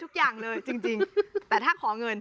สุดยอดน้ำมันเครื่องจากญี่ปุ่น